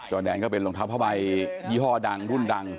แดนก็เป็นรองเท้าผ้าใบยี่ห้อดังรุ่นดัง